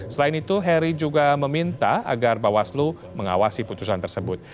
selain itu heri juga meminta agar bawaslu mengawasi putusan tersebut